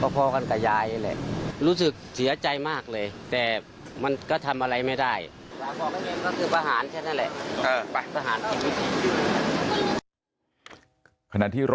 ผู้บรรดิ